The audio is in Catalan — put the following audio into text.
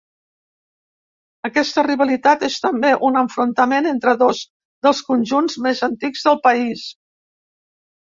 Aquesta rivalitat és també un enfrontament entre dos dels conjunts més antics del país.